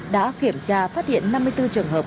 đã kiểm tra phát hiện năm mươi bốn trường hợp